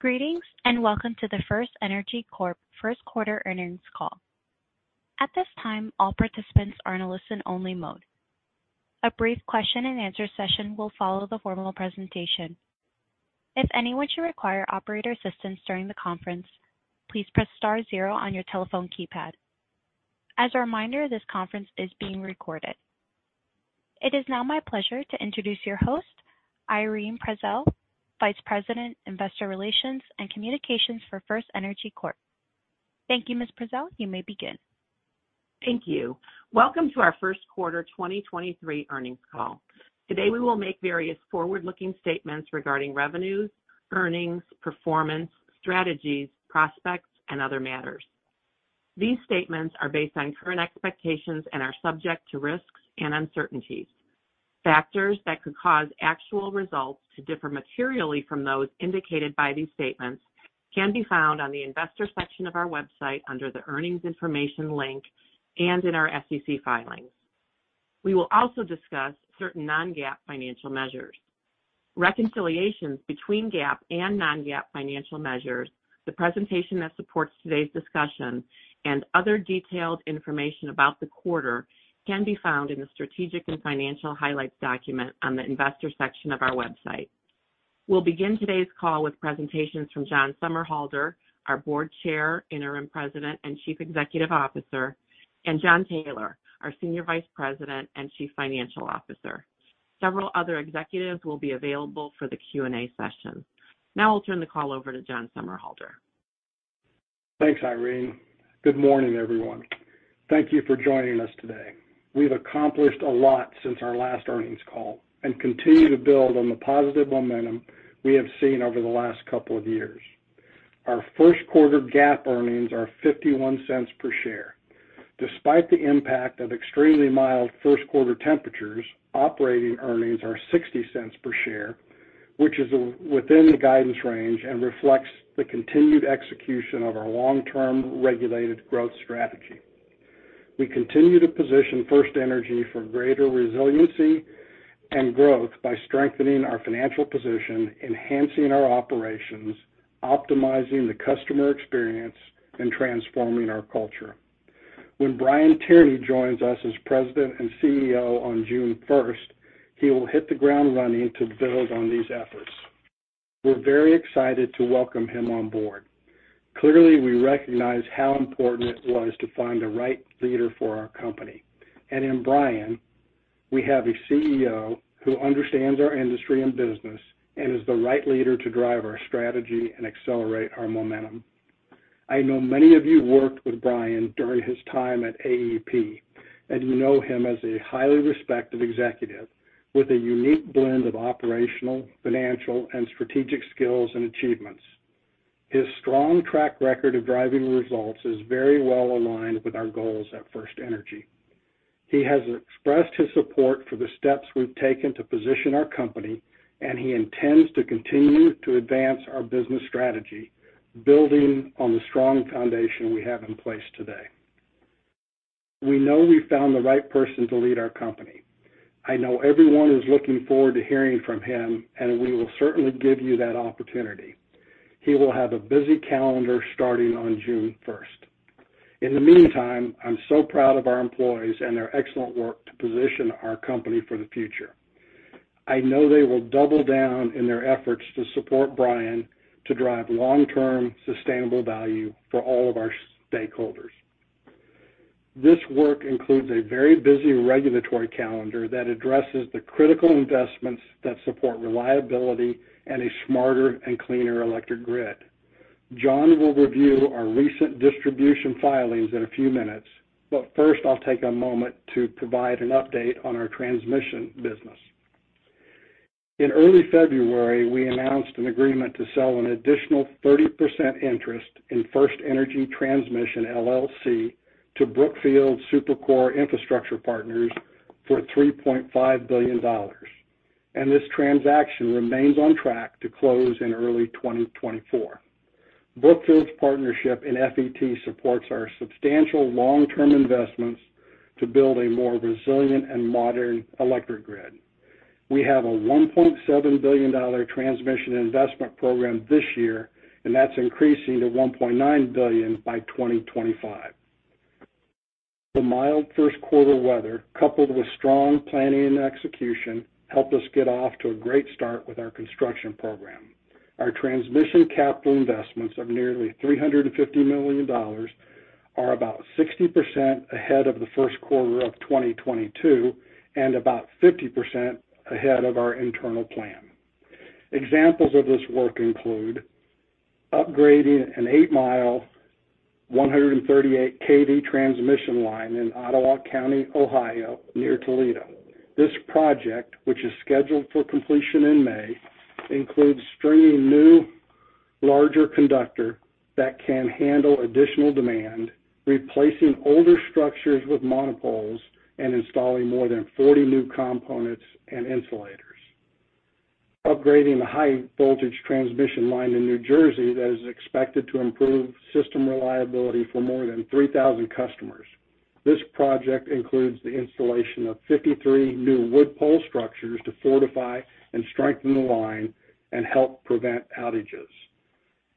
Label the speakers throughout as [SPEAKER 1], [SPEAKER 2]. [SPEAKER 1] Greetings, and welcome to the FirstEnergy Corp First Quarter Earnings call. At this time, all participants are in a listen-only mode. A brief question-and-answer session will follow the formal presentation. If anyone should require operator assistance during the conference, please press star zero on your telephone keypad. As a reminder, this conference is being recorded. It is now my pleasure to introduce your host, Irene Prezelj, Vice President, Investor Relations and Communications for FirstEnergy Corp. Thank you, Ms. Prezelj. You may begin.
[SPEAKER 2] Thank you. Welcome to our first quarter 2023 earnings call. Today, we will make various forward-looking statements regarding revenues, earnings, performance, strategies, prospects, and other matters. These statements are based on current expectations and are subject to risks and uncertainties. Factors that could cause actual results to differ materially from those indicated by these statements can be found on the investor section of our website under the Earnings Information link and in our SEC filings. We will also discuss certain non-GAAP financial measures. Reconciliations between GAAP and non-GAAP financial measures, the presentation that supports today's discussion, and other detailed information about the quarter can be found in the Strategic and Financial Highlights document on the investor section of our website. We'll begin today's call with presentations from John Somerhalder, our Board Chair, Interim President, and Chief Executive Officer, and Jon Taylor, our Senior Vice President and Chief Financial Officer. Several other executives will be available for the Q&A session. Now I'll turn the call over to John Somerhalder.
[SPEAKER 3] Thanks, Irene. Good morning, everyone. Thank you for joining us today. We've accomplished a lot since our last earnings call and continue to build on the positive momentum we have seen over the last couple of years. Our first quarter GAAP earnings are $0.51 per share. Despite the impact of extremely mild first-quarter temperatures, operating earnings are $0.60 per share, which is within the guidance range and reflects the continued execution of our long-term regulated growth strategy. We continue to position FirstEnergy for greater resiliency and growth by strengthening our financial position, enhancing our operations, optimizing the customer experience, and transforming our culture. When Brian Tierney joins us as President and CEO on June first, he will hit the ground running to build on these efforts. We're very excited to welcome him on board. Clearly, we recognize how important it was to find the right leader for our company, and in Brian, we have a CEO who understands our industry and business and is the right leader to drive our strategy and accelerate our momentum. I know many of you worked with Brian during his time at AEP, and you know him as a highly respected executive with a unique blend of operational, financial, and strategic skills and achievements. His strong track record of driving results is very well aligned with our goals at FirstEnergy. He has expressed his support for the steps we've taken to position our company, and he intends to continue to advance our business strategy, building on the strong foundation we have in place today. We know we found the right person to lead our company. I know everyone is looking forward to hearing from him. We will certainly give you that opportunity. He will have a busy calendar starting on June first. In the meantime, I'm so proud of our employees and their excellent work to position our company for the future. I know they will double down in their efforts to support Brian to drive long-term sustainable value for all of our stakeholders. This work includes a very busy regulatory calendar that addresses the critical investments that support reliability and a smarter and cleaner electric grid. John will review our recent distribution filings in a few minutes. First, I'll take a moment to provide an update on our transmission business. In early February, we announced an agreement to sell an additional 30% interest in FirstEnergy Transmission LLC to Brookfield Super-Core Infrastructure Partners for $3.5 billion. This transaction remains on track to close in early 2024. Brookfield's partnership in FET supports our substantial long-term investments to build a more resilient and modern electric grid. We have a $1.7 billion transmission investment program this year, and that's increasing to $1.9 billion by 2025. The mild first quarter weather, coupled with strong planning and execution, helped us get off to a great start with our construction program. Our transmission capital investments of nearly $350 million are about 60% ahead of the first quarter of 2022 and about 50% ahead of our internal plan. Examples of this work include upgrading an 8-mile 138 kV transmission line in Ottawa County, Ohio, near Toledo. This project, which is scheduled for completion in May, includes stringing new, larger conductor that can handle additional demand, replacing older structures with monopoles, and installing more than 40 new components and insulators. Upgrading the high-voltage transmission line in New Jersey that is expected to improve system reliability for more than 3,000 customers. This project includes the installation of 53 new wood pole structures to fortify and strengthen the line and help prevent outages.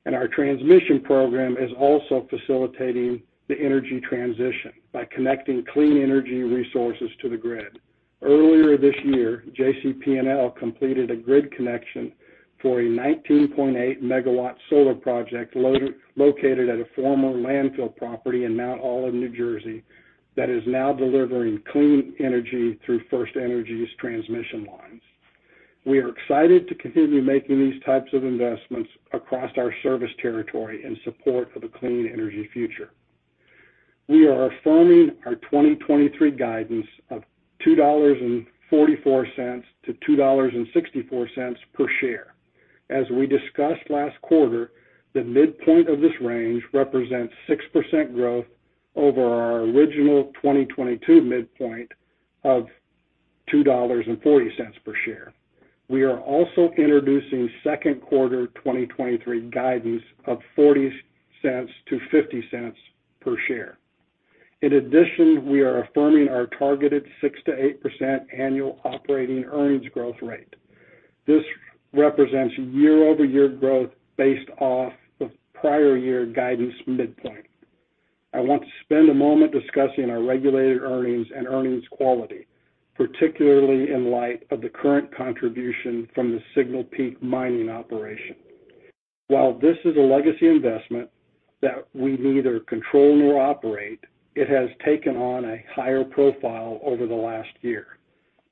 [SPEAKER 3] Our transmission program is also facilitating the energy transition by connecting clean energy resources to the grid. Earlier this year, JCP&L completed a grid connection for a 19.8-megawatt solar project located at a former landfill property in Mount Holly, New Jersey, that is now delivering clean energy through FirstEnergy's transmission lines. We are excited to continue making these types of investments across our service territory in support of a clean energy future. We are affirming our 2023 guidance of $2.44-$2.64 per share. As we discussed last quarter, the midpoint of this range represents 6% growth over our original 2022 midpoint of $2.40 per share. We are also introducing second quarter 2023 guidance of $0.40-$0.50 per share. We are affirming our targeted 6%-8% annual operating earnings growth rate. This represents year-over-year growth based off the prior year guidance midpoint. I want to spend a moment discussing our regulated earnings and earnings quality, particularly in light of the current contribution from the Signal Peak mining operation. While this is a legacy investment that we neither control nor operate, it has taken on a higher profile over the last year.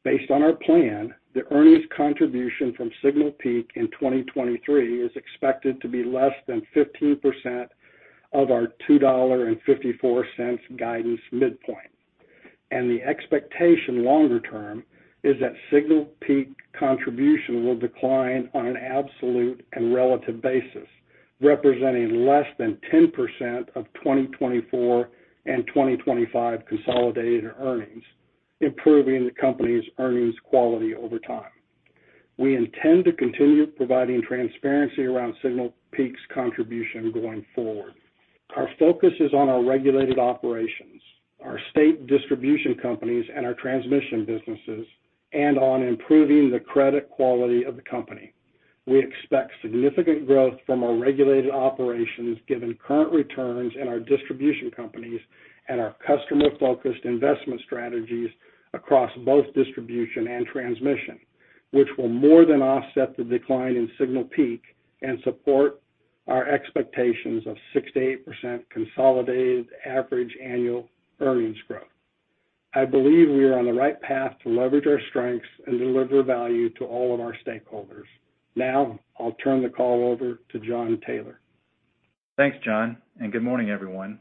[SPEAKER 3] Based on our plan, the earnings contribution from Signal Peak in 2023 is expected to be less than 15% of our $2.54 guidance midpoint. The expectation longer term is that Signal Peak contribution will decline on an absolute and relative basis, representing less than 10% of 2024 and 2025 consolidated earnings, improving the company's earnings quality over time. We intend to continue providing transparency around Signal Peak's contribution going forward. Our focus is on our regulated operations, our state distribution companies, and our transmission businesses, and on improving the credit quality of the company. We expect significant growth from our regulated operations given current returns in our distribution companies and our customer-focused investment strategies across both distribution and transmission, which will more than offset the decline in Signal Peak and support our expectations of 6%-8% consolidated average annual earnings growth. I believe we are on the right path to leverage our strengths and deliver value to all of our stakeholders. I'll turn the call over to Jon Taylor.
[SPEAKER 4] Thanks, Jon, and good morning, everyone.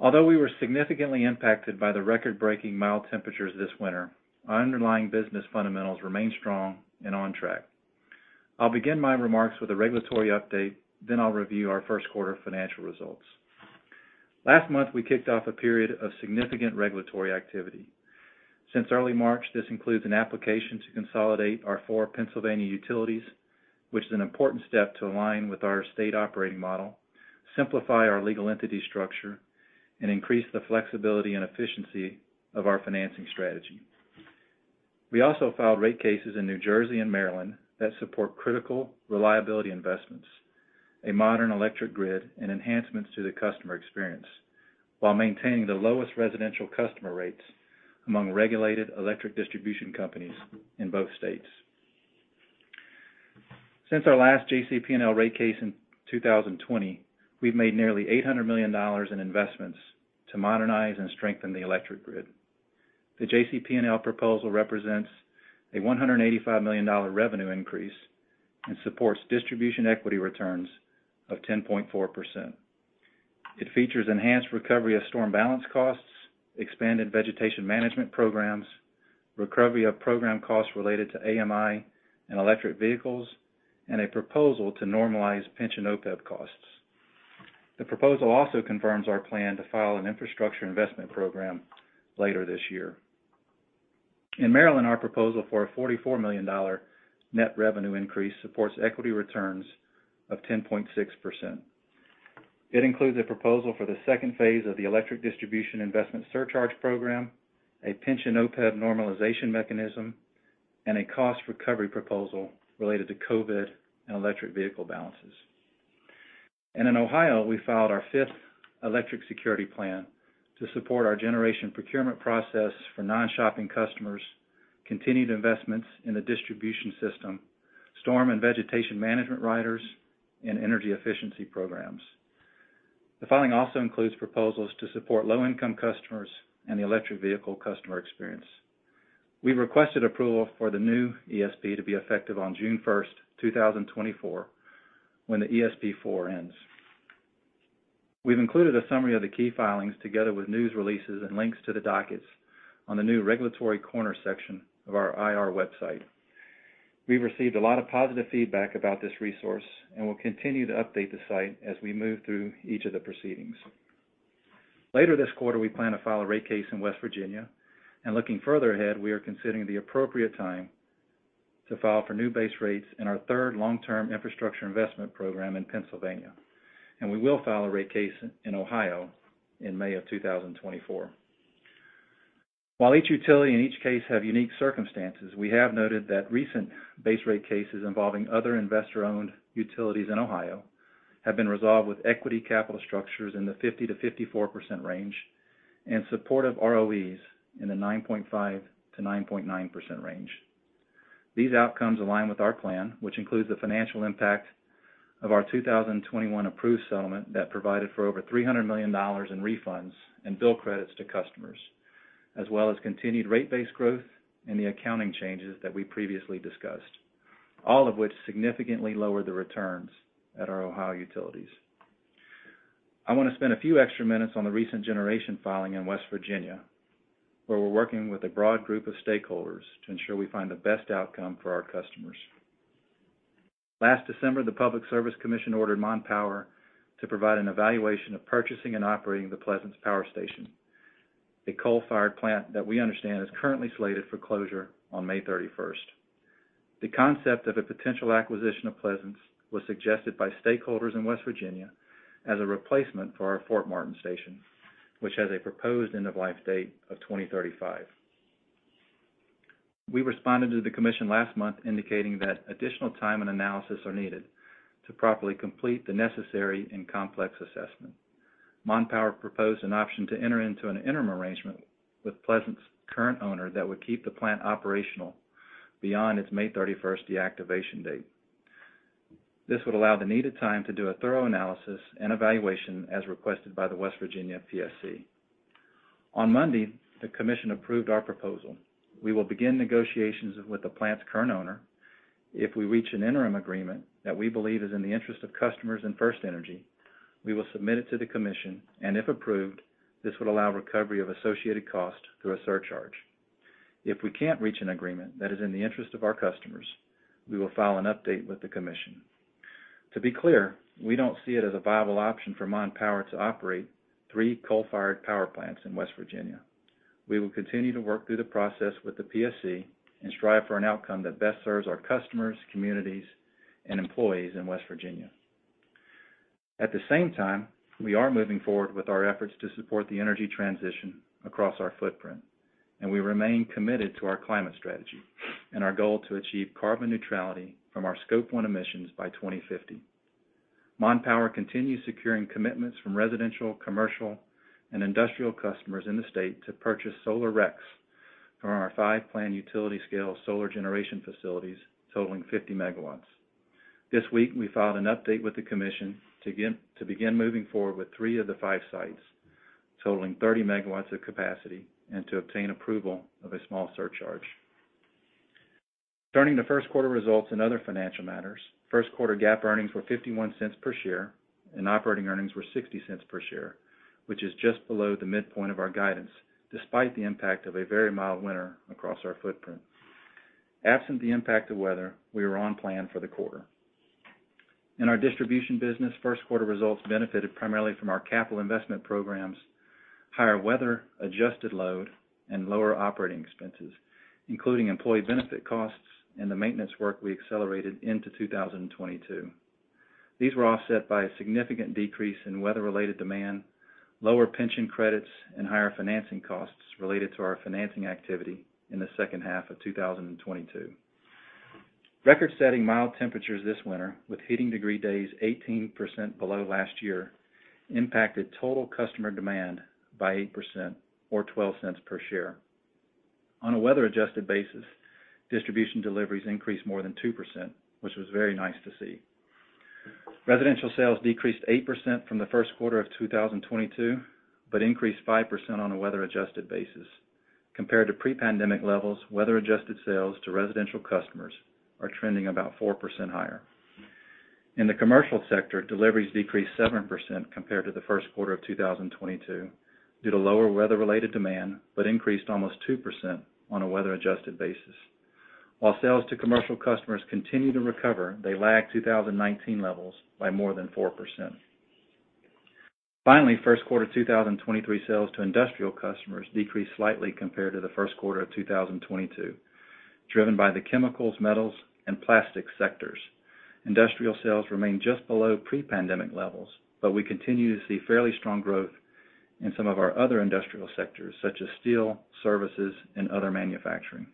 [SPEAKER 4] Although we were significantly impacted by the record-breaking mild temperatures this winter, our underlying business fundamentals remain strong and on track. I'll begin my remarks with a regulatory update, then I'll review our 1st quarter financial results. Last month, we kicked off a period of significant regulatory activity. Since early March, this includes an application to consolidate our 4 Pennsylvania utilities, which is an important step to align with our state operating model, simplify our legal entity structure, and increase the flexibility and efficiency of our financing strategy. We also filed rate cases in New Jersey and Maryland that support critical reliability investments, a modern electric grid, and enhancements to the customer experience while maintaining the lowest residential customer rates among regulated electric distribution companies in both states. Since our last JCP&L rate case in 2020, we've made nearly $800 million in investments to modernize and strengthen the electric grid. The JCP&L proposal represents a $185 million revenue increase and supports distribution equity returns of 10.4%. It features enhanced recovery of storm balance costs, expanded vegetation management programs, recovery of program costs related to AMI and electric vehicles, and a proposal to normalize pension OPEB costs. The proposal also confirms our plan to file an infrastructure investment program later this year. In Maryland, our proposal for a $44 million net revenue increase supports equity returns of 10.6%. It includes a proposal for the second phase of the electric distribution investment surcharge program, a pension OPEB normalization mechanism, and a cost recovery proposal related to COVID and electric vehicle balances. In Ohio, we filed our 5th Electric Security Plan to support our generation procurement process for non-shopping customers, continued investments in the distribution system, storm and vegetation management riders, and energy efficiency programs. The filing also includes proposals to support low-income customers and the electric vehicle customer experience. We requested approval for the new ESP to be effective on June 1, 2024 when the ESP4 ends. We've included a summary of the key filings together with news releases and links to the dockets on the new regulatory corner section of our IR website. We've received a lot of positive feedback about this resource, and we'll continue to update the site as we move through each of the proceedings. Later this quarter, we plan to file a rate case in West Virginia. Looking further ahead, we are considering the appropriate time to file for new base rates in our third long-term infrastructure investment program in Pennsylvania. We will file a rate case in Ohio in May of 2024. While each utility in each case have unique circumstances, we have noted that recent base rate cases involving other investor-owned utilities in Ohio have been resolved with equity capital structures in the 50%-54% range and supportive ROEs in the 9.5%-9.9% range. These outcomes align with our plan, which includes the financial impact of our 2021 approved settlement that provided for over $300 million in refunds and bill credits to customers, as well as continued rate base growth and the accounting changes that we previously discussed, all of which significantly lower the returns at our Ohio utilities. I want to spend a few extra minutes on the recent generation filing in West Virginia, where we're working with a broad group of stakeholders to ensure we find the best outcome for our customers. Last December, the Public Service Commission ordered Mon Power to provide an evaluation of purchasing and operating the Pleasants Power Station, a coal-fired plant that we understand is currently slated for closure on May 31st. The concept of a potential acquisition of Pleasants was suggested by stakeholders in West Virginia as a replacement for our Fort Martin Station, which has a proposed end-of-life date of 2035. We responded to the commission last month indicating that additional time and analysis are needed to properly complete the necessary and complex assessment. Mon Power proposed an option to enter into an interim arrangement with Pleasants' current owner that would keep the plant operational beyond its May 31st deactivation date. This would allow the needed time to do a thorough analysis and evaluation as requested by the West Virginia PSC. On Monday, the commission approved our proposal. We will begin negotiations with the plant's current owner. If we reach an interim agreement that we believe is in the interest of customers and FirstEnergy, we will submit it to the commission, and if approved, this would allow recovery of associated costs through a surcharge. If we can't reach an agreement that is in the interest of our customers, we will file an update with the commission. To be clear, we don't see it as a viable option for Mon Power to operate three coal-fired power plants in West Virginia. We will continue to work through the process with the PSC and strive for an outcome that best serves our customers, communities, and employees in West Virginia. At the same time, we are moving forward with our efforts to support the energy transition across our footprint, and we remain committed to our climate strategy and our goal to achieve carbon neutrality from our Scope 1 emissions by 2050. Mon Power continues securing commitments from residential, commercial, and industrial customers in the state to purchase solar RECs from our 5-plan utility scale solar generation facilities totaling 50 megawatts. This week, we filed an update with the Commission to begin moving forward with 3 of the 5 sites, totaling 30 megawatts of capacity and to obtain approval of a small surcharge. Turning to first quarter results and other financial matters, first quarter GAAP earnings were $0.51 per share, and operating earnings were $0.60 per share, which is just below the midpoint of our guidance, despite the impact of a very mild winter across our footprint. Absent the impact of weather, we were on plan for the quarter. In our distribution business, first quarter results benefited primarily from our capital investment programs, higher weather-adjusted load, and lower operating expenses, including employee benefit costs and the maintenance work we accelerated into 2022. These were offset by a significant decrease in weather-related demand, lower pension credits, and higher financing costs related to our financing activity in the second half of 2022. Record-setting mild temperatures this winter, with heating degree days 18% below last year, impacted total customer demand by 8% or $0.12 per share. On a weather-adjusted basis, distribution deliveries increased more than 2%, which was very nice to see. Residential sales decreased 8% from the first quarter of 2022, but increased 5% on a weather-adjusted basis. Compared to pre-pandemic levels, weather-adjusted sales to residential customers are trending about 4% higher. In the commercial sector, deliveries decreased 7% compared to the first quarter of 2022 due to lower weather-related demand, but increased almost 2% on a weather-adjusted basis. While sales to commercial customers continue to recover, they lag 2019 levels by more than 4%. First quarter 2023 sales to industrial customers decreased slightly compared to the first quarter of 2022, driven by the chemicals, metals, and plastics sectors. Industrial sales remain just below pre-pandemic levels. We continue to see fairly strong growth in some of our other industrial sectors, such as steel, services, and other manufacturing.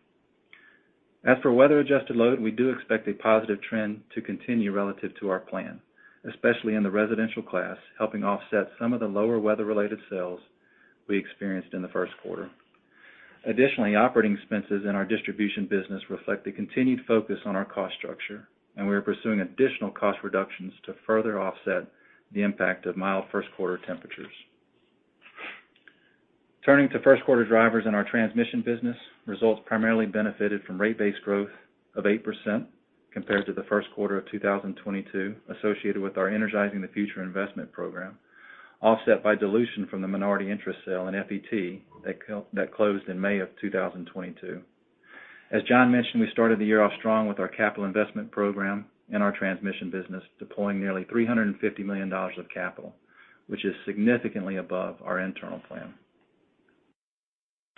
[SPEAKER 4] As for weather-adjusted load, we do expect a positive trend to continue relative to our plan, especially in the residential class, helping offset some of the lower weather-related sales we experienced in the first quarter. Operating expenses in our distribution business reflect the continued focus on our cost structure, and we are pursuing additional cost reductions to further offset the impact of mild first quarter temperatures. Turning to first quarter drivers in our transmission business, results primarily benefited from rate base growth of 8% compared to the first quarter of 2022 associated with our Energizing the Future investment program, offset by dilution from the minority interest sale in FET that closed in May of 2022. As Jon mentioned, we started the year off strong with our capital investment program in our transmission business, deploying nearly $350 million of capital, which is significantly above our internal plan.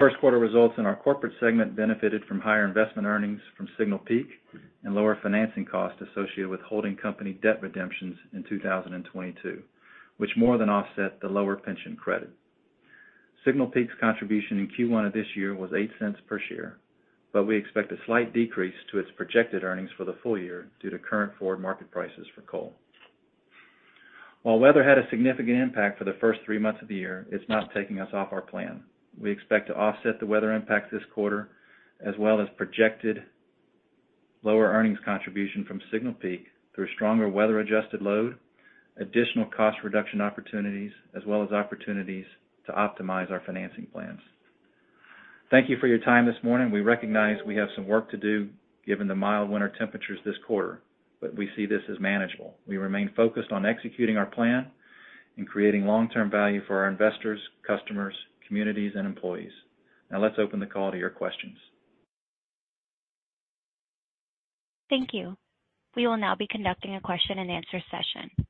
[SPEAKER 4] First quarter results in our corporate segment benefited from higher investment earnings from Signal Peak and lower financing costs associated with holding company debt redemptions in 2022, which more than offset the lower pension credit. Signal Peak's contribution in Q1 of this year was $0.08 per share. We expect a slight decrease to its projected earnings for the full year due to current forward market prices for coal. While weather had a significant impact for the first three months of the year, it's not taking us off our plan. We expect to offset the weather impact this quarter, as well as projected lower earnings contribution from Signal Peak through stronger weather-adjusted load, additional cost reduction opportunities, as well as opportunities to optimize our financing plans. Thank you for your time this morning. We recognize we have some work to do given the mild winter temperatures this quarter. We see this as manageable. We remain focused on executing our plan and creating long-term value for our investors, customers, communities and employees. Let's open the call to your questions.
[SPEAKER 1] Thank you. We will now be conducting a question-and-answer session.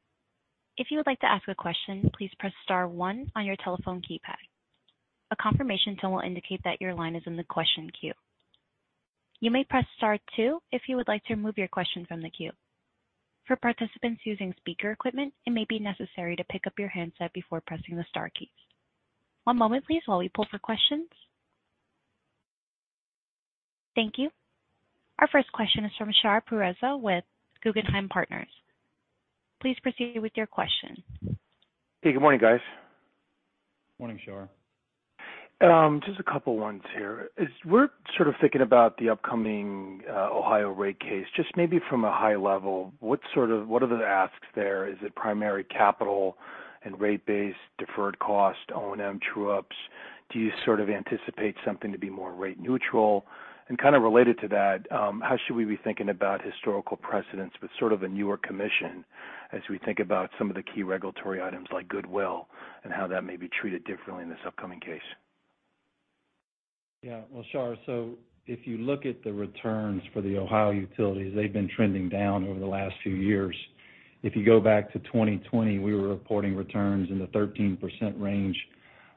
[SPEAKER 1] If you would like to ask a question, please press star one on your telephone keypad. A confirmation tone will indicate that your line is in the question queue. You may press Star two if you would like to remove your question from the queue. For participants using speaker equipment, it may be necessary to pick up your handset before pressing the star keys. One moment please while we pull for questions. Thank you. Our first question is from Shar Pourreza with Guggenheim Partners. Please proceed with your question.
[SPEAKER 5] Hey, good morning, guys.
[SPEAKER 4] Morning, Shar.
[SPEAKER 5] Just a couple ones here. As we're sort of thinking about the upcoming Ohio rate case, just maybe from a high level, what are the asks there? Is it primary capital and rate base, deferred cost, O&M true ups? Do you sort of anticipate something to be more rate neutral? Kind of related to that, how should we be thinking about historical precedents with sort of a newer commission as we think about some of the key regulatory items like goodwill and how that may be treated differently in this upcoming case?
[SPEAKER 4] Yeah. Shar, if you look at the returns for the Ohio utilities, they've been trending down over the last few years. If you go back to 2020, we were reporting returns in the 13% range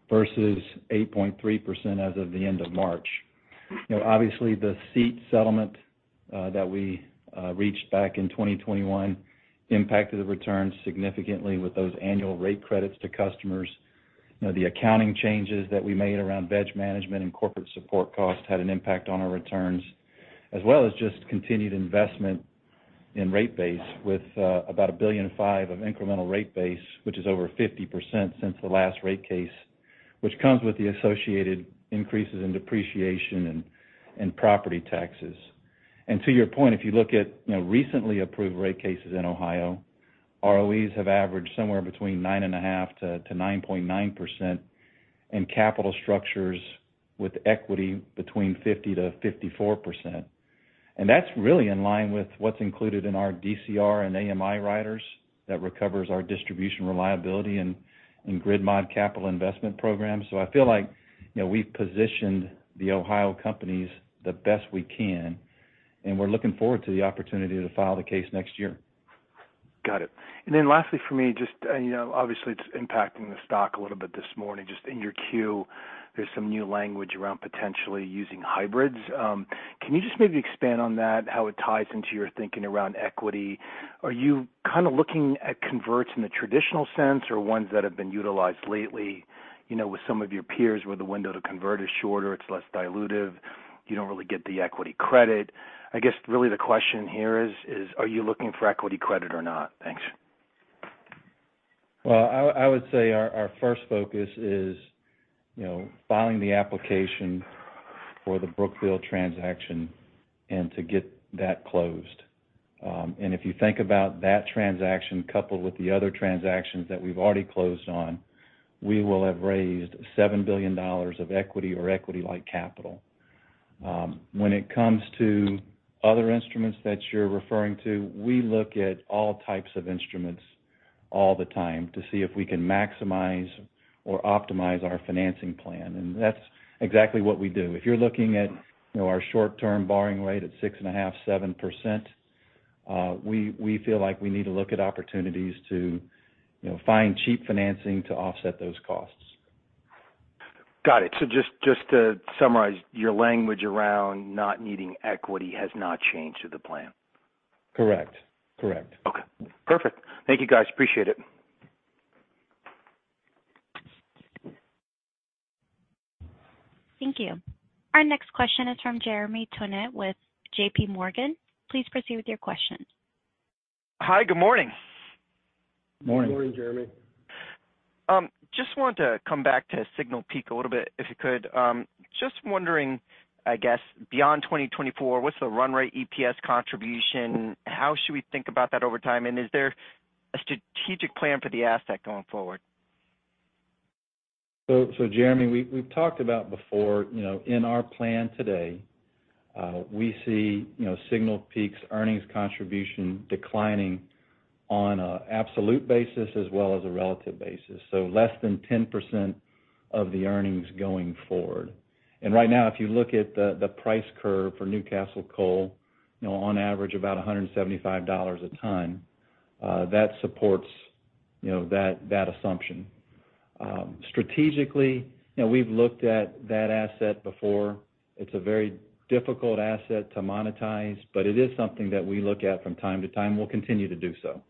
[SPEAKER 4] versus 8.3% as of the end of March. You know, obviously, the seat settlement that we reached back in 2021 impacted the returns significantly with those annual rate credits to customers. You know, the accounting changes that we made around veg management and corporate support costs had an impact on our returns, as well as just continued investment in rate base with about $1.5 billion of incremental rate base, which is over 50% since the last rate case, which comes with the associated increases in depreciation and property taxes. To your point, if you look at, you know, recently approved rate cases in Ohio, ROEs have averaged somewhere between 9.5% to 9.9% and capital structures with equity between 50%-54%. That's really in line with what's included in our DCR and AMI riders that recovers our distribution reliability and grid mod capital investment program. I feel like, you know, we've positioned the Ohio companies the best we can, and we're looking forward to the opportunity to file the case next year.
[SPEAKER 5] Got it. Lastly for me, just, you know, obviously it's impacting the stock a little bit this morning. Just in your queue, there's some new language around potentially using hybrids. Can you just maybe expand on that, how it ties into your thinking around equity? Are you kind of looking at converts in the traditional sense or ones that have been utilized lately, you know, with some of your peers, where the window to convert is shorter, it's less dilutive, you don't really get the equity credit? I guess really the question here is, are you looking for equity credit or not? Thanks.
[SPEAKER 4] Well, I would say our first focus is, you know, filing the application for the Brookfield transaction and to get that closed. If you think about that transaction coupled with the other transactions that we've already closed on, we will have raised $7 billion of equity or equity-like capital. When it comes to other instruments that you're referring to, we look at all types of instruments all the time to see if we can maximize or optimize our financing plan. That's exactly what we do. If you're looking at, you know, our short-term borrowing rate at 6.5%, 7%, we feel like we need to look at opportunities to, you know, find cheap financing to offset those costs.
[SPEAKER 5] Got it. Just to summarize, your language around not needing equity has not changed to the plan?
[SPEAKER 4] Correct. Correct.
[SPEAKER 5] Okay, perfect. Thank you, guys. Appreciate it.
[SPEAKER 1] Thank you. Our next question is from Jeremy Tonet with J.P. Morgan. Please proceed with your question.
[SPEAKER 6] Hi. Good morning.
[SPEAKER 4] Morning.
[SPEAKER 5] Good morning, Jeremy.
[SPEAKER 6] Just want to come back to Signal Peak a little bit, if you could. Just wondering, I guess beyond 2024, what's the run rate EPS contribution? How should we think about that over time, and is there a strategic plan for the asset going forward?
[SPEAKER 4] Jeremy, we've talked about before, you know, in our plan today, we see, you know, Signal Peak's earnings contribution declining on a absolute basis as well as a relative basis. Less than 10% of the earnings going forward. Right now, if you look at the price curve for Newcastle Coal, you know, on average about $175 a ton, that supports
[SPEAKER 3] You know, that assumption. Strategically, you know, we've looked at that asset before. It's a very difficult asset to monetize, but it is something that we look at from time to time. We'll continue to do so.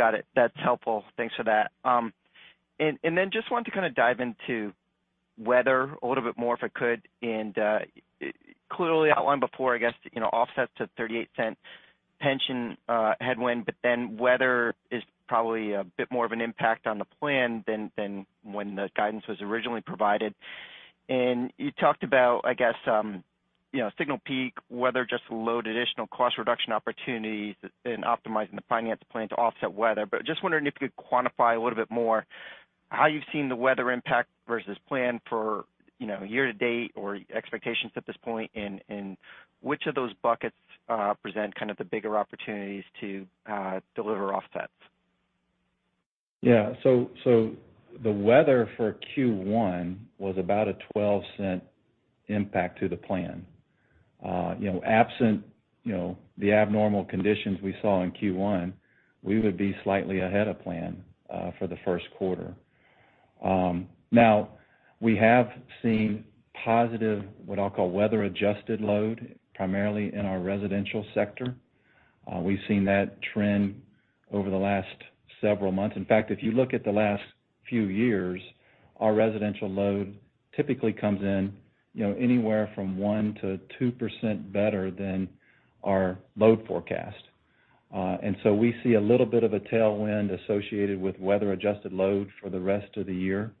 [SPEAKER 6] Got it. That's helpful. Thanks for that. Just want to kind of dive into weather a little bit more, if I could. Clearly outlined before, I guess, you know, offsets to $0.38 pension headwind, but then weather is probably a bit more of an impact on the plan than when the guidance was originally provided. You talked about, I guess, you know, Signal Peak, weather just load additional cost reduction opportunities in optimizing the finance plan to offset weather. Just wondering if you could quantify a little bit more how you've seen the weather impact versus plan for, you know, year to date or expectations at this point, and which of those buckets present kind of the bigger opportunities to deliver offsets.
[SPEAKER 3] The weather for Q1 was about a $0.12 impact to the plan. you know, absent, you know, the abnormal conditions we saw in Q1, we would be slightly ahead of plan for the first quarter. Now we have seen positive, what I'll call weather-adjusted load, primarily in our residential sector. We've seen that trend over the last several months. In fact, if you look at the last few years, our residential load typically comes in, you know, anywhere from 1%-2% better than our load forecast. We see a little bit of a tailwind associated with weather-adjusted load for the rest of the year.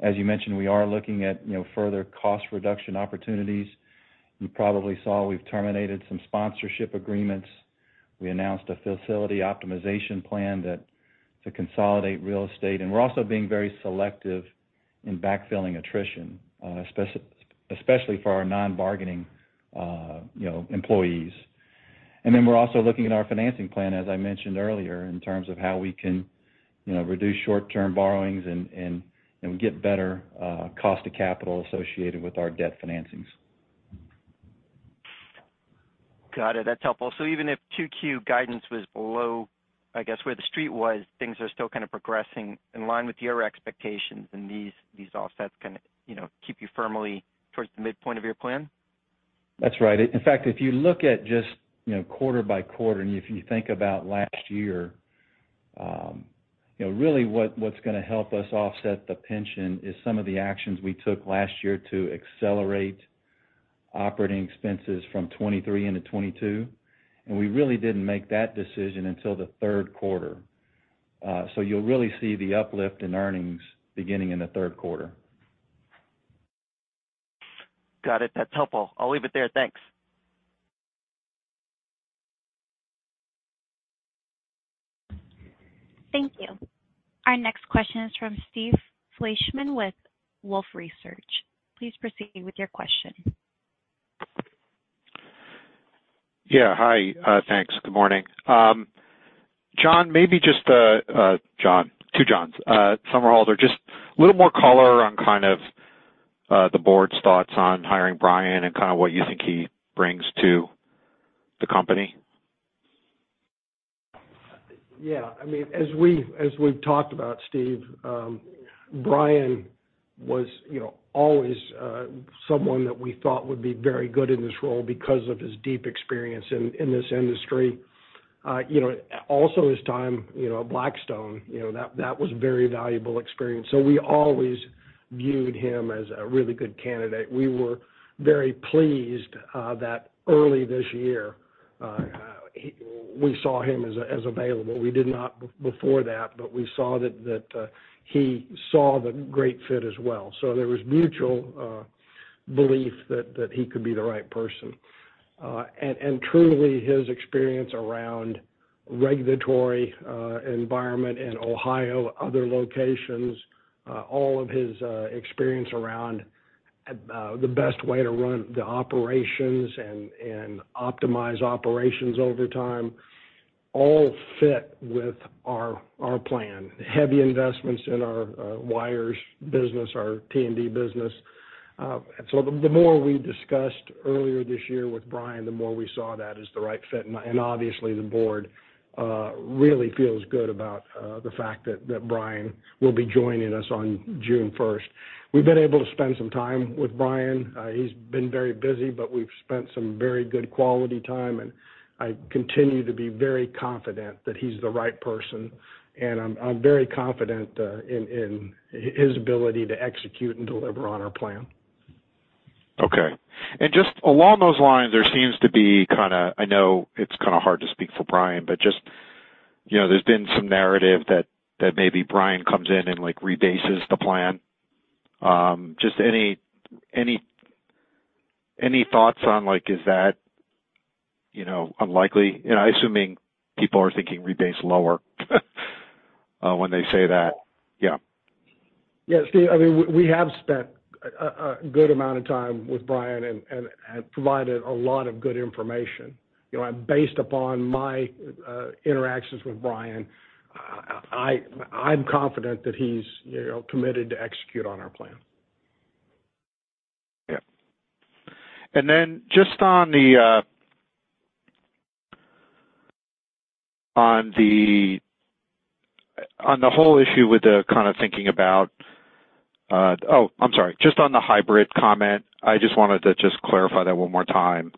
[SPEAKER 3] As you mentioned, we are looking at, you know, further cost reduction opportunities. You probably saw we've terminated some sponsorship agreements. We announced a facility optimization plan that to consolidate real estate. We're also being very selective in backfilling attrition, especially for our non-bargaining, you know, employees. We're also looking at our financing plan, as I mentioned earlier, in terms of how we can, you know, reduce short-term borrowings and get better cost of capital associated with our debt financings.
[SPEAKER 6] Got it. That's helpful. Even if 2Q guidance was below, I guess, where the street was, things are still kind of progressing in line with your expectations, and these offsets kinda, you know, keep you firmly towards the midpoint of your plan?
[SPEAKER 3] That's right. In fact, if you look at just, you know, quarter by quarter, and if you think about last year, you know, really what's gonna help us offset the pension is some of the actions we took last year to accelerate operating expenses from 23 into 22. We really didn't make that decision until the third quarter. You'll really see the uplift in earnings beginning in the third quarter.
[SPEAKER 6] Got it. That's helpful. I'll leave it there. Thanks.
[SPEAKER 1] Thank you. Our next question is from Steve Fleishman with Wolfe Research. Please proceed with your question.
[SPEAKER 7] Yeah. Hi. Thanks. Good morning. John, maybe just, John, two Johns, Somerhalder, just a little more color on kind of the board's thoughts on hiring Brian and kind of what you think he brings to the company.
[SPEAKER 3] I mean, as we've talked about, Steve, Brian was, you know, always someone that we thought would be very good in this role because of his deep experience in this industry. You know, also his time, you know, at Blackstone, you know, that was very valuable experience. We always viewed him as a really good candidate. We were very pleased that early this year, we saw him as available. We did not before that, but we saw that he saw the great fit as well. There was mutual belief that he could be the right person. Truly his experience around regulatory environment in Ohio, other locations, all of his experience around the best way to run the operations and optimize operations over time all fit with our plan. Heavy investments in our wires business, our T&D business. The more we discussed earlier this year with Brian, the more we saw that as the right fit. Obviously, the board really feels good about the fact that Brian will be joining us on June 1st. We've been able to spend some time with Brian. He's been very busy, but we've spent some very good quality time, and I continue to be very confident that he's the right person. I'm very confident in his ability to execute and deliver on our plan.
[SPEAKER 7] Okay. Just along those lines, there seems to be I know it's kinda hard to speak for Brian, but just, you know, there's been some narrative that maybe Brian comes in and, like, rebases the plan. Just any thoughts on, like, is that, you know, unlikely? You know, I'm assuming people are thinking rebase lower when they say that. Yeah.
[SPEAKER 3] Yeah. Steve, I mean, we have spent a good amount of time with Brian and have provided a lot of good information. You know. Based upon my interactions with Brian, I'm confident that he's, you know, committed to execute on our plan.
[SPEAKER 8] Yeah. Just on the whole issue with the kind of thinking about. Oh, I'm sorry. Just on the hybrid comment, I just wanted to just clarify that one more time.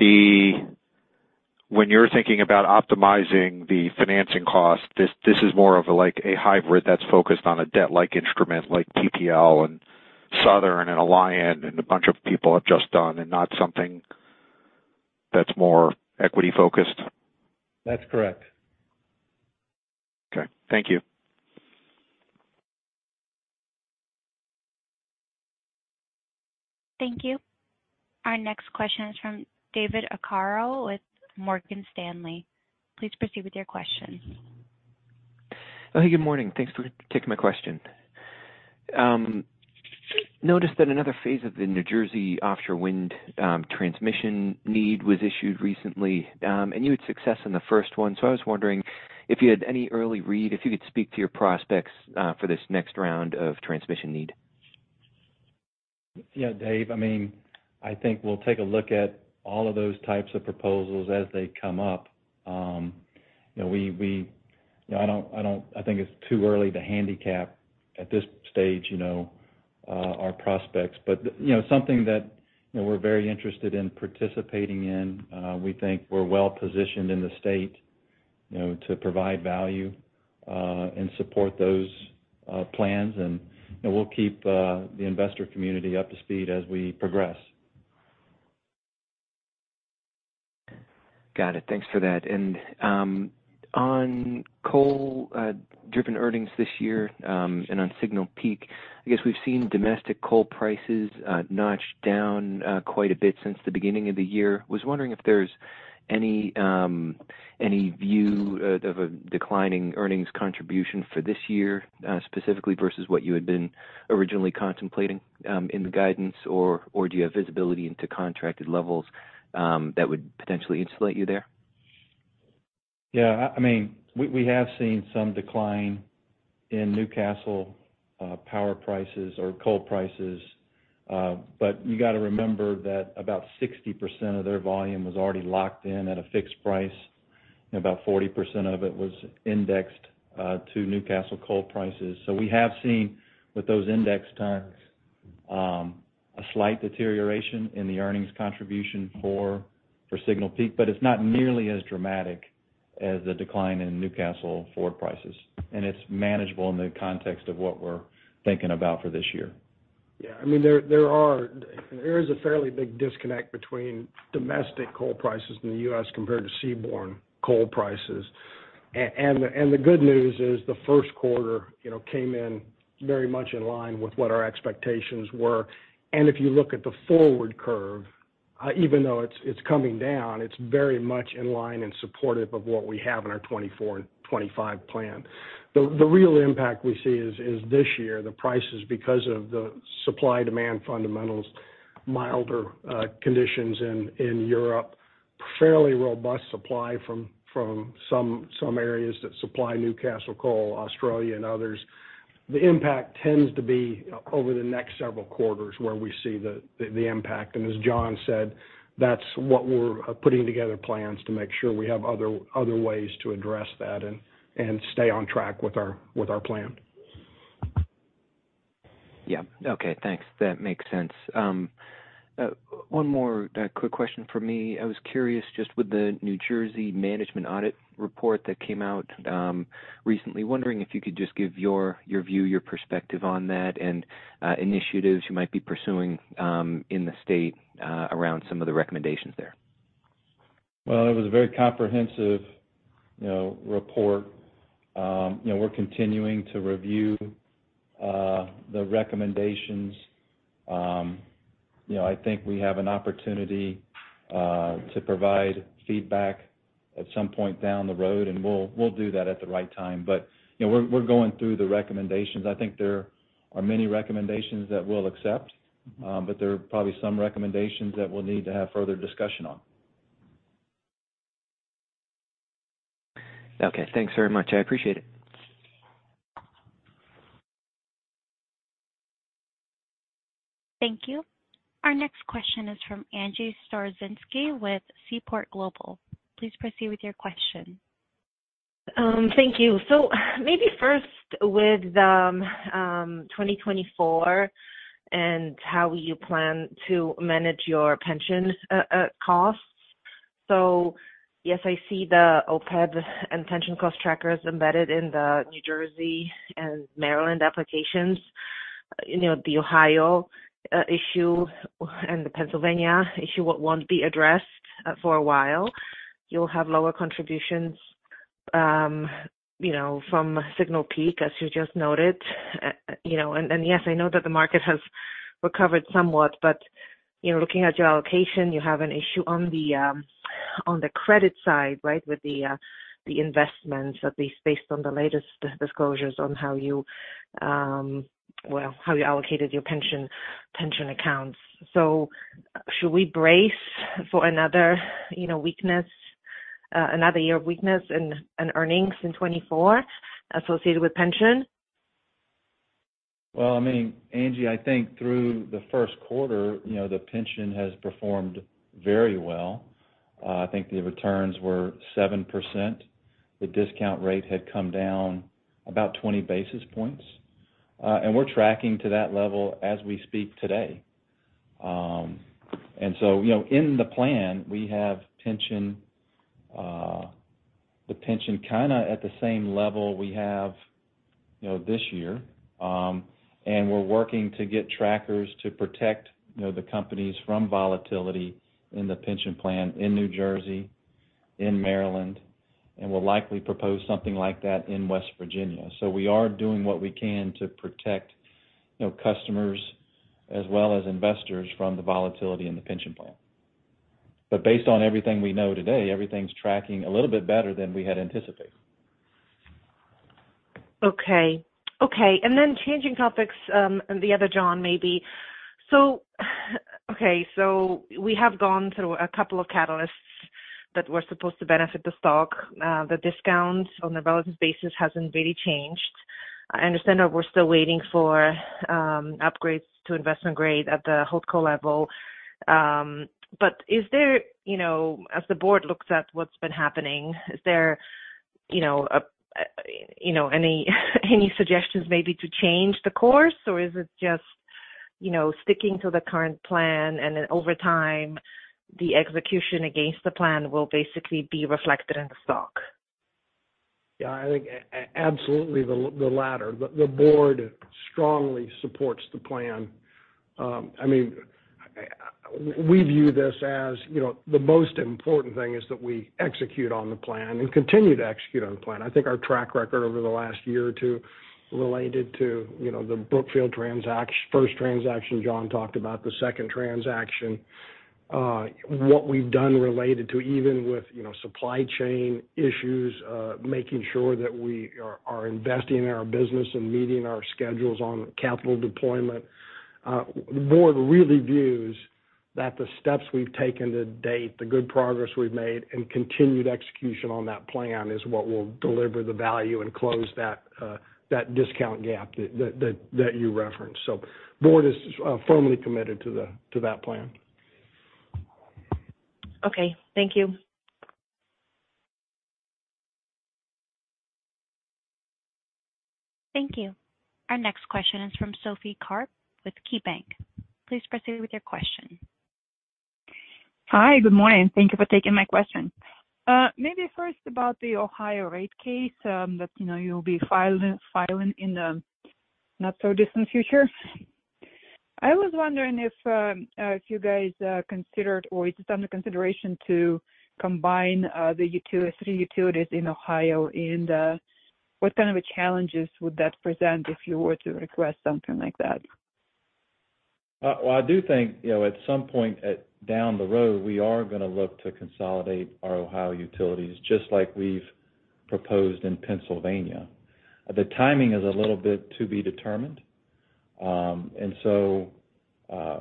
[SPEAKER 8] When you're thinking about optimizing the financing cost, this is more of like a hybrid that's focused on a debt-like instrument like PPL and Southern and Alliant and a bunch of people have just done and not something that's more equity-focused.
[SPEAKER 4] That's correct.
[SPEAKER 8] Okay, thank you.
[SPEAKER 1] Thank you. Our next question is from David Arcaro with Morgan Stanley. Please proceed with your question.
[SPEAKER 9] Oh, hey, good morning. Thanks for taking my question. Noticed that another phase of the New Jersey offshore wind, transmission need was issued recently, and you had success in the first one. I was wondering if you had any early read, if you could speak to your prospects for this next round of transmission need.
[SPEAKER 4] Yeah, Dave, I mean, I think we'll take a look at all of those types of proposals as they come up. You know, I don't think it's too early to handicap at this stage, you know, our prospects. You know, something that, you know, we're very interested in participating in. We think we're well positioned in the state, you know, to provide value and support those plans. You know, we'll keep the investor community up to speed as we progress.
[SPEAKER 9] Got it. Thanks for that. On coal driven earnings this year, and on Signal Peak, I guess we've seen domestic coal prices notch down quite a bit since the beginning of the year. Was wondering if there's any view of a declining earnings contribution for this year, specifically versus what you had been originally contemplating in the guidance or do you have visibility into contracted levels that would potentially insulate you there?
[SPEAKER 4] Yeah, I mean, we have seen some decline in Newcastle power prices or coal prices. You gotta remember that about 60% of their volume was already locked in at a fixed price, and about 40% of it was indexed to Newcastle coal prices. We have seen with those index times a slight deterioration in the earnings contribution for Signal Peak, but it's not nearly as dramatic as the decline in Newcastle for prices. It's manageable in the context of what we're thinking about for this year.
[SPEAKER 3] Yeah. I mean, there is a fairly big disconnect between domestic coal prices in the U.S. compared to seaborne coal prices. And the good news is the first quarter, you know, came in very much in line with what our expectations were. If you look at the forward curve, even though it's coming down, it's very much in line and supportive of what we have in our 2024 and 2025 plan. The real impact we see is this year, the prices because of the supply-demand fundamentals, milder conditions in Europe, fairly robust supply from some areas that supply Newcastle coal, Australia and others. The impact tends to be over the next several quarters where we see the impact. As John said, that's what we're putting together plans to make sure we have other ways to address that and stay on track with our plan.
[SPEAKER 9] Yeah. Okay, thanks. That makes sense. One more quick question from me. I was curious just with the New Jersey management audit report that came out recently. Wondering if you could just give your view, your perspective on that and initiatives you might be pursuing in the state around some of the recommendations there.
[SPEAKER 4] Well, it was a very comprehensive, you know, report. You know, we're continuing to review the recommendations. You know, I think we have an opportunity to provide feedback at some point down the road, and we'll do that at the right time. You know, we're going through the recommendations. I think there are many recommendations that we'll accept, but there are probably some recommendations that we'll need to have further discussion on.
[SPEAKER 9] Okay, thanks very much. I appreciate it.
[SPEAKER 1] Thank you. Our next question is from Angie Storozynski with Seaport Global. Please proceed with your question.
[SPEAKER 8] Thank you. Maybe first with 2024 and how you plan to manage your pension costs. Yes, I see the OPEB and pension cost trackers embedded in the New Jersey and Maryland applications. You know, the Ohio issue and the Pennsylvania issue won't be addressed for a while. You'll have lower contributions, you know, from Signal Peak, as you just noted. You know, yes, I know that the market has recovered somewhat, but, you know, looking at your allocation, you have an issue on the credit side, right? With the investments, at least based on the latest disclosures on how you, well, how you allocated your pension accounts. Should we brace for another, you know, weakness, another year of weakness in earnings in 24 associated with pension?
[SPEAKER 4] Well, I mean, Angie, I think through the first quarter, you know, the pension has performed very well. I think the returns were 7%. The discount rate had come down about 20 basis points. We're tracking to that level as we speak today. In the plan, we have pension, the pension kinda at the same level we have, you know, this year. We're working to get trackers to protect, you know, the companies from volatility in the pension plan in New Jersey, in Maryland, and we'll likely propose something like that in West Virginia. We are doing what we can to protect, you know, customers as well as investors from the volatility in the pension plan. Based on everything we know today, everything's tracking a little bit better than we had anticipated.
[SPEAKER 8] Okay. Okay. Changing topics, and the other John, maybe. Okay, so we have gone through a couple of catalysts that were supposed to benefit the stock. The discount on the relative basis hasn't really changed. I understand that we're still waiting for upgrades to investment grade at the holdco level. Is there, you know, as the board looks at what's been happening, is there, you know, any suggestions maybe to change the course? Or is it just, you know, sticking to the current plan and then over time, the execution against the plan will basically be reflected in the stock?
[SPEAKER 3] I think absolutely the latter. The board strongly supports the plan. I mean, we view this as, you know, the most important thing is that we execute on the plan and continue to execute on the plan. I think our track record over the last year or two related to, you know, the Brookfield first transaction John talked about, the second transaction, what we've done related to even with, you know, supply chain issues, making sure that we are investing in our business and meeting our schedules on capital deployment. The board really views that the steps we've taken to date, the good progress we've made and continued execution on that plan is what will deliver the value and close that discount gap that you referenced. The board is firmly committed to that plan.
[SPEAKER 8] Okay. Thank you.
[SPEAKER 1] Thank you. Our next question is from Sophie Karp with KeyBank. Please proceed with your question.
[SPEAKER 10] Hi. Good morning. Thank you for taking my question. Maybe first about the Ohio rate case, that, you know, you'll be filing in the not so distant future. I was wondering if you guys considered or is it under consideration to combine the three utilities in Ohio, and what kind of challenges would that present if you were to request something like that?
[SPEAKER 4] Well, I do think, you know, at some point down the road, we are gonna look to consolidate our Ohio utilities, just like we've proposed in Pennsylvania. The timing is a little bit to be determined.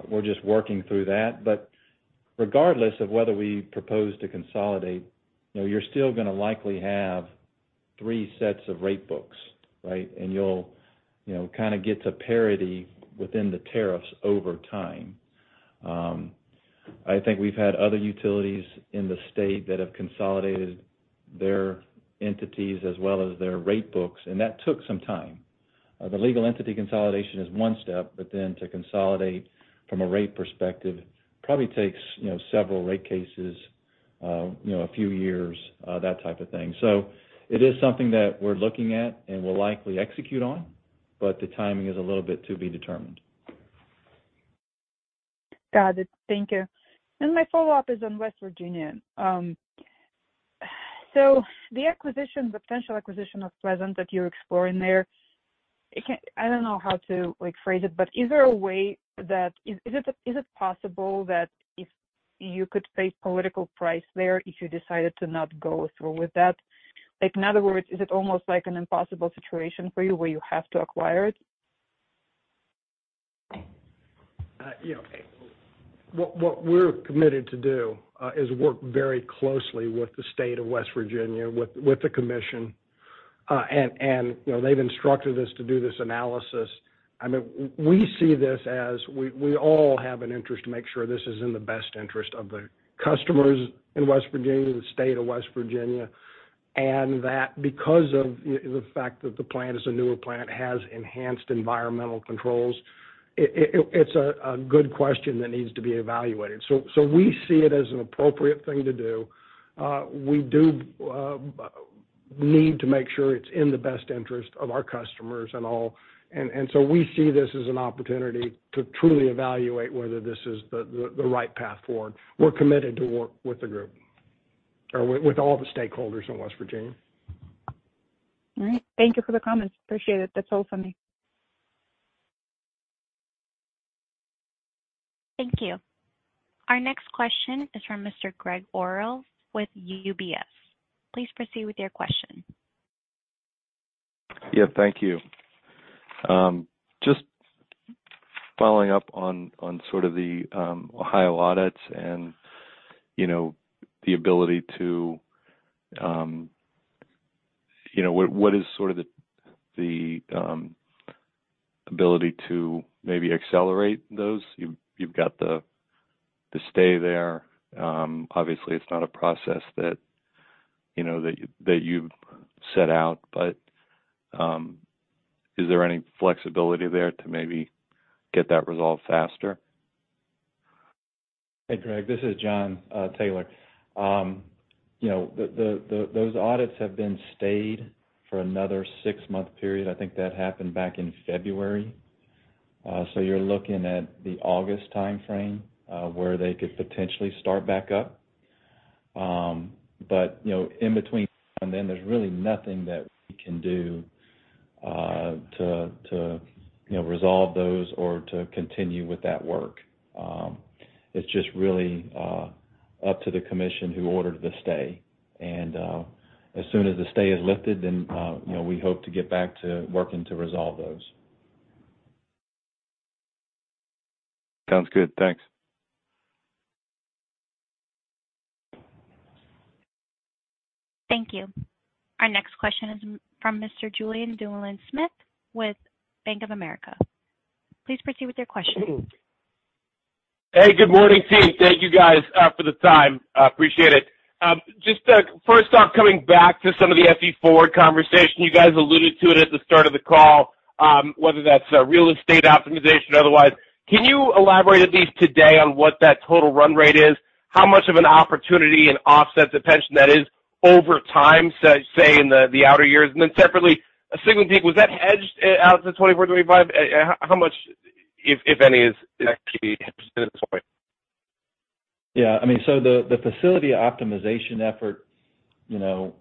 [SPEAKER 4] We're just working through that. Regardless of whether we propose to consolidate, you know, you're still gonna likely have three sets of rate books, right? You'll, you know, kind of get to parity within the tariffs over time. I think we've had other utilities in the state that have consolidated their entities as well as their rate books, and that took some time. The legal entity consolidation is one step, but then to consolidate from a rate perspective probably takes, you know, several rate cases, you know, a few years, that type of thing. It is something that we're looking at and will likely execute on, but the timing is a little bit to be determined.
[SPEAKER 10] Got it. Thank you. My follow-up is on West Virginia. The acquisition, the potential acquisition of Pleasant that you're exploring there, I don't know how to, like, phrase it, but is it possible that if you could pay political price there if you decided to not go through with that? Like, in other words, is it almost like an impossible situation for you where you have to acquire it?
[SPEAKER 3] You know, what we're committed to do is work very closely with the state of West Virginia, with the Commission. You know, they've instructed us to do this analysis. I mean, we see this as we all have an interest to make sure this is in the best interest of the customers in West Virginia, the state of West Virginia, and that because of the fact that the plant is a newer plant, has enhanced environmental controls, it's a good question that needs to be evaluated. We see it as an appropriate thing to do. We do need to make sure it's in the best interest of our customers and all. So we see this as an opportunity to truly evaluate whether this is the right path forward. We're committed to work with the group, or with all the stakeholders in West Virginia.
[SPEAKER 10] All right. Thank you for the comments. Appreciate it. That's all for me.
[SPEAKER 1] Thank you. Our next question is from Mr. Gregg Orrill with UBS. Please proceed with your question.
[SPEAKER 11] Yeah. Thank you. Just following up on sort of the Ohio audits and, you know, the ability to, you know. What is sort of the ability to maybe accelerate those? You've got the stay there. Obviously, it's not a process that, you know, that you've set out, but is there any flexibility there to maybe get that resolved faster?
[SPEAKER 4] Hey, Gregg, this is Jon Taylor. You know, those audits have been stayed for another six-month period. I think that happened back in February. You're looking at the August timeframe, where they could potentially start back up. You know, in between then, there's really nothing that we can do to, you know, resolve those or to continue with that work. It's just really up to the Commission who ordered the stay and, as soon as the stay is lifted, then, you know, we hope to get back to working to resolve those.
[SPEAKER 11] Sounds good. Thanks.
[SPEAKER 1] Thank you. Our next question is from Mr. Julien Dumoulin-Smith with Bank of America. Please proceed with your question.
[SPEAKER 12] Hey, good morning, team. Thank you guys, for the time. I appreciate it. Just first off, coming back to some of the FE Forward conversation, you guys alluded to it at the start of the call, whether that's real estate optimization or otherwise. Can you elaborate at least today on what that total run rate is? How much of an opportunity and offset to pension that is over time, say, in the outer years? Separately, Signal Peak, was that hedged out to 2024, 2025? How much, if any, is actually at this point?
[SPEAKER 4] Yeah, I mean, so the facility optimization effort, you know,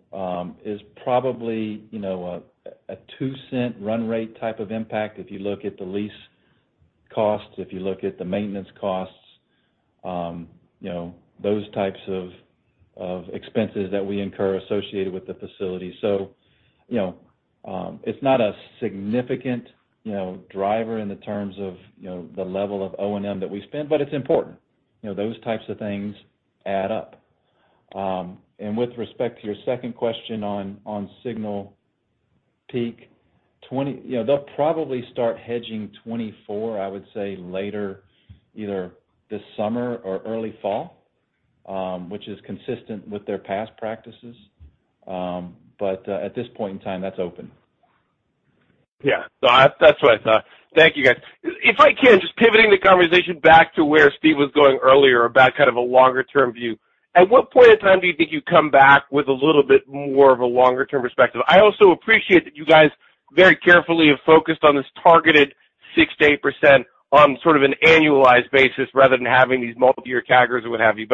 [SPEAKER 4] is probably, you know, a $0.02 run rate type of impact if you look at the lease costs, if you look at the maintenance costs, you know, those types of expenses that we incur associated with the facility. It's not a significant, you know, driver in the terms of, you know, the level of O&M that we spend, but it's important. You know, those types of things add up. With respect to your second question on Signal Peak, you know, they'll probably start hedging 2024, I would say, later, either this summer or early fall, which is consistent with their past practices. At this point in time, that's open.
[SPEAKER 12] Yeah. No, that's what I thought. Thank you, guys. If I can, just pivoting the conversation back to where Steve was going earlier about kind of a longer term view. At what point in time do you think you come back with a little bit more of a longer term perspective? I also appreciate that you guys very carefully have focused on this targeted 6%-8% on sort of an annualized basis rather than having these multi-year CAGRs or what have you.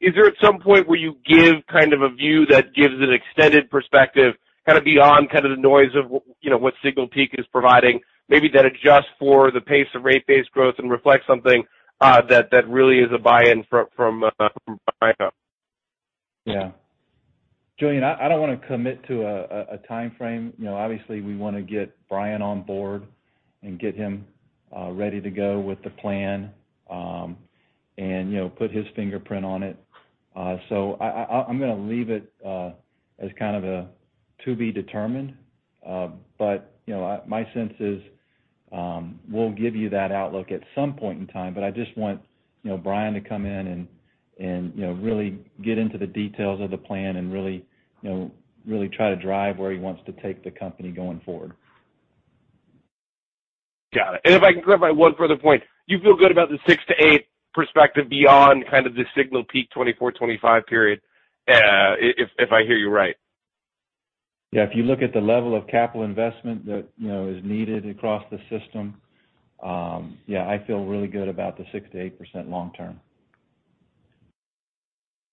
[SPEAKER 12] Is there at some point where you give kind of a view that gives an extended perspective, kind of beyond kind of the noise of you know, what Signal Peak is providing, maybe that adjusts for the pace of rate-based growth and reflects something that really is a buy-in from Brian?
[SPEAKER 4] Yeah. Julien, I don't wanna commit to a timeframe. You know, obviously we wanna get Brian on board and get him ready to go with the plan, and, you know, put his fingerprint on it. I'm gonna leave it as kind of a to be determined. You know, my sense is, we'll give you that outlook at some point in time, but I just want, you know, Brian to come in and, you know, really get into the details of the plan and really try to drive where he wants to take the company going forward.
[SPEAKER 12] Got it. If I can clarify one further point. You feel good about the 6-8 perspective beyond kind of the Signal Peak 2024/2025 period, if I hear you right?
[SPEAKER 4] Yeah. If you look at the level of capital investment that, you know, is needed across the system, yeah, I feel really good about the 6%-8% long term.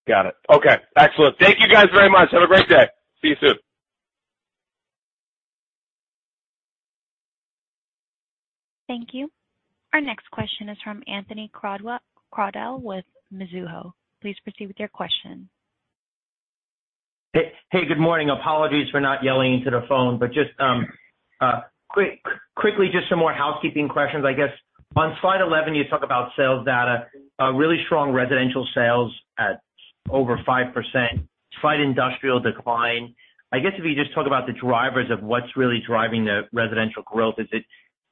[SPEAKER 12] Got it. Okay. Excellent. Thank you guys very much. Have a great day. See you soon.
[SPEAKER 1] Thank you. Our next question is from Anthony Crowdell with Mizuho. Please proceed with your question.
[SPEAKER 13] Hey, hey, good morning. Apologies for not yelling into the phone. Just quickly, just some more housekeeping questions, I guess. On slide 11, you talk about sales data, really strong residential sales at over 5%, slight industrial decline. I guess if you just talk about the drivers of what's really driving the residential growth, is it,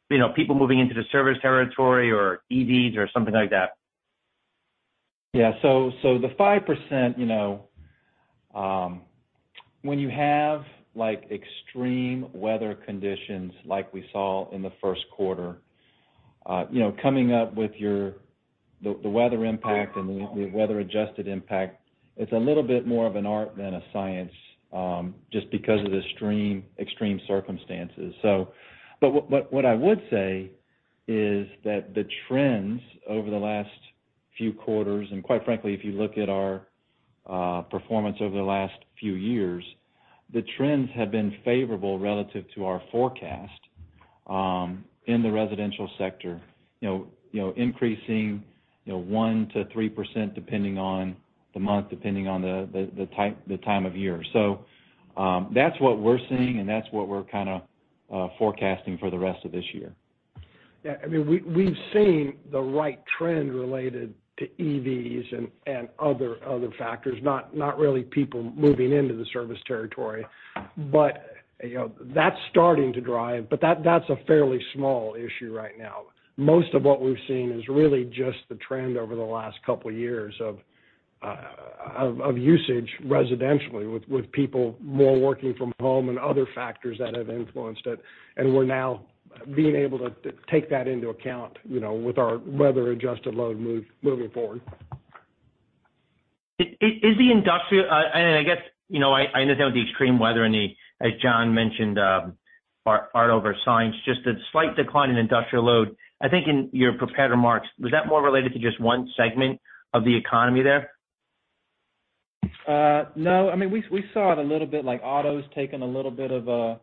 [SPEAKER 13] you know, people moving into the service territory or EVs or something like that?
[SPEAKER 4] Yeah. The 5%, you know, when you have, like, extreme weather conditions like we saw in the first quarter, you know, coming up with your the weather impact and the weather-adjusted impact, it's a little bit more of an art than a science, just because of the extreme circumstances. What I would say is that the trends over the last few quarters, and quite frankly, if you look at our performance over the last few years, the trends have been favorable relative to our forecast. In the residential sector, you know, increasing 1% to 3% depending on the month, depending on the time of year. That's what we're seeing, and that's what we're kind of forecasting for the rest of this year.
[SPEAKER 3] Yeah, I mean, we've seen the right trend related to EVs and other factors, not really people moving into the service territory. You know, that's starting to drive, but that's a fairly small issue right now. Most of what we've seen is really just the trend over the last couple years of usage residentially with people more working from home and other factors that have influenced it, and we're now being able to take that into account, you know, with our weather-adjusted load moving forward.
[SPEAKER 13] Is the industrial, you know, I understand with the extreme weather and the, as John mentioned, art over science, just a slight decline in industrial load. I think in your prepared remarks, was that more related to just one segment of the economy there?
[SPEAKER 4] No. I mean, we saw it a little bit like autos taking a little bit of a,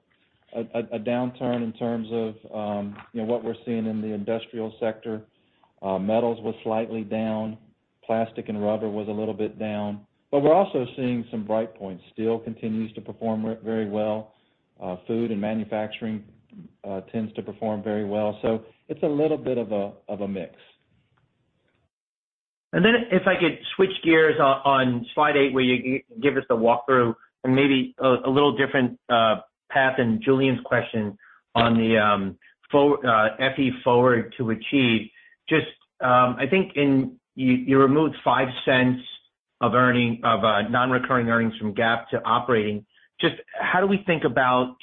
[SPEAKER 4] a downturn in terms of, you know, what we're seeing in the industrial sector. Metals was slightly down. Plastic and rubber was a little bit down. We're also seeing some bright points. Steel continues to perform very well. Food and manufacturing tends to perform very well. It's a little bit of a, of a mix.
[SPEAKER 13] If I could switch gears on slide eight where you give us the walkthrough and maybe a little different path in Julien's question on the FE Forward to achieve. I think in you removed 5 cents of non-recurring earnings from GAAP to operating. How do we think about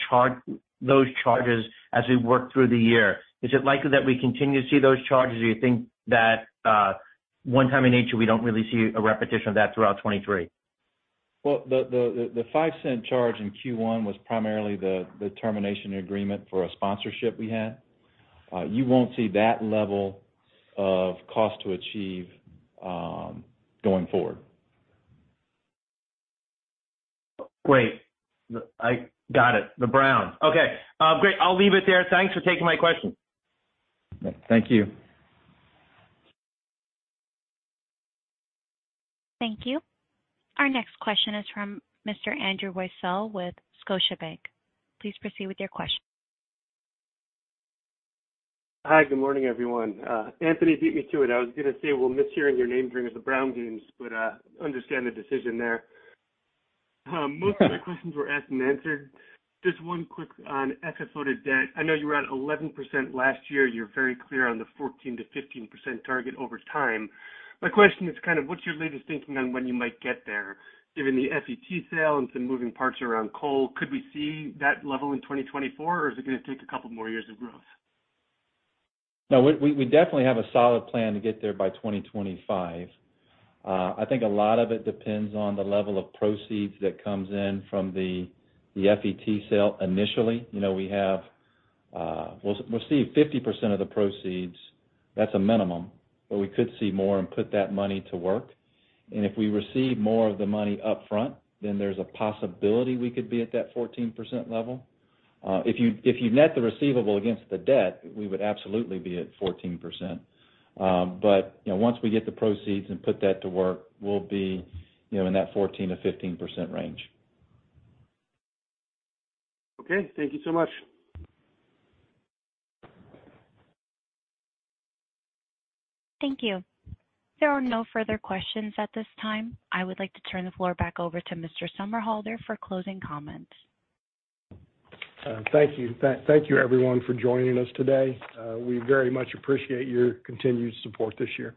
[SPEAKER 13] those charges as we work through the year? Is it likely that we continue to see those charges, or you think that, one time in nature, we don't really see a repetition of that throughout 2023?
[SPEAKER 4] Well, the $0.05 charge in Q1 was primarily the termination agreement for a sponsorship we had. You won't see that level of cost to achieve going forward.
[SPEAKER 13] Great. I got it. The Brown. Okay. Great. I'll leave it there. Thanks for taking my question.
[SPEAKER 4] Thank you.
[SPEAKER 1] Thank you. Our next question is from Mr. Andrew Weisel with Scotiabank. Please proceed with your question.
[SPEAKER 14] Hi, good morning, everyone. Anthony beat me to it. I was gonna say we'll miss hearing your name during the brown dunes, but understand the decision there. Most of my questions were asked and answered. Just one quick on FFO to debt. I know you were at 11% last year. You're very clear on the 14%-15% target over time. My question is kind of what's your latest thinking on when you might get there given the FET sale and some moving parts around coal? Could we see that level in 2024, or is it gonna take a couple more years of growth?
[SPEAKER 4] No, we definitely have a solid plan to get there by 2025. I think a lot of it depends on the level of proceeds that comes in from the FET sale initially. You know, we have, we'll see 50% of the proceeds. That's a minimum, but we could see more and put that money to work. If we receive more of the money upfront, then there's a possibility we could be at that 14% level. If you net the receivable against the debt, we would absolutely be at 14%. You know, once we get the proceeds and put that to work, we'll be, you know, in that 14%-15% range.
[SPEAKER 14] Okay. Thank you so much.
[SPEAKER 1] Thank you. There are no further questions at this time. I would like to turn the floor back over to Mr. Somerhalder for closing comments.
[SPEAKER 3] Thank you. Thank you everyone for joining us today. We very much appreciate your continued support this year.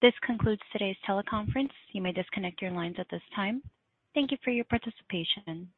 [SPEAKER 1] This concludes today's teleconference. You may disconnect your lines at this time. Thank you for your participation.